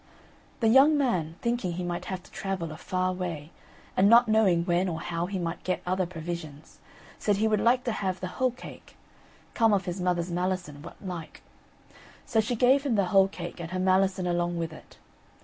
The young man, thinking he might have to travel a far way, and not knowing when or how he might get other provisions, said he would like to have the whole cake, come of his mother's malison what like; so she gave him the whole cake, and her malison along with it.